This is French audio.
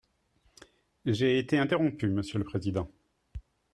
J’ai été interrompu, monsieur le président.